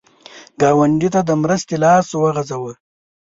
ګاونډي ته د مرستې لاس وغځوه